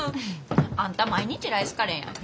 あんた毎日ライスカレーやん。